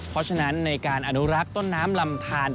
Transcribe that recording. เพราะฉะนั้นในการอนุรักษ์ต้นน้ำลำทาน